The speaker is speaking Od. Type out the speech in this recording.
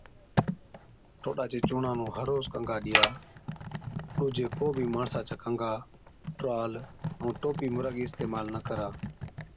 ٺوڏا چي چُونڻان نُُون هر روز گنگا ڏِيا، ڏُوجي ڪو بِي ماڻسا چا ڪنگا، ٽروال ائُون ٽوپِي مُراگِي اِستعمال نہ ڪرا۔